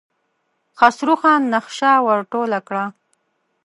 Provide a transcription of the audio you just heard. خسرو خان نخشه ور ټوله کړه.